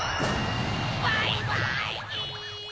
バイバイキン！